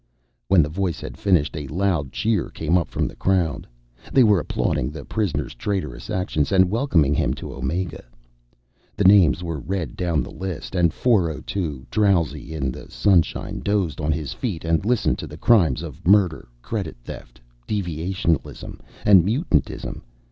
When the voice had finished, a loud cheer came up from the crowd. They were applauding the prisoner's traitorous actions, and welcoming him to Omega. The names were read down the list, and 402, drowsy in the sunshine, dozed on his feet and listened to the crimes of murder, credit theft, deviationalism, and mutantism.